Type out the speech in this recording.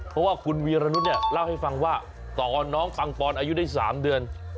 เพราะว่าคุณวีรนุษย์เนี่ยเล่าให้ฟังว่าตอนน้องปังปอนอายุได้๓เดือน